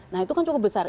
nah itu kan cukup besar